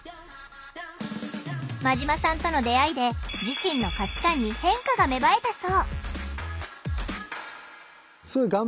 馬島さんとの出会いで自身の価値観に変化が芽生えたそう。